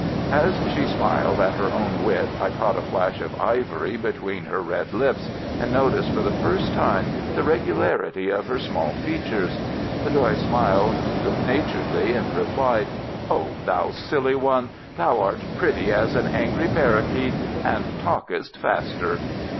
As she smiled at her own wit I caught a flash of ivory between her red lips, and noticed for the first time the regularity of her small features. The Doy smiled good naturedly, and replied: "Oh, thou silly one! Thou art pretty as an angry parrakeet, and talkest faster."